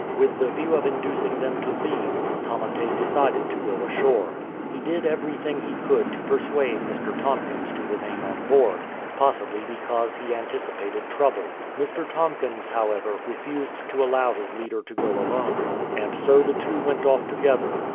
With the view of inducing them to leave, Tamate decided to go ashore. He did everything he could to persuade Mr. Tomkins to remain on board, probably because he an ticipated trouble. Mr. Tomkins, however, refused to allow his leader to go alone ; and so the two went off together.